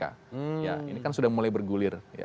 ya ini kan sudah mulai bergulir